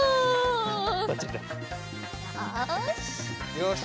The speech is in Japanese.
よし。